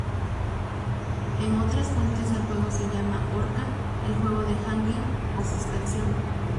En otras fuentes el juego se llama "Horca", "El Juego de Hangin'", o "Suspensión".